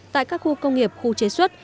tại các khu công nghiệp khu chế xuất